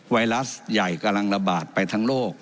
ไวรัสใหญ่กำลังระบาดไปทั้งโลก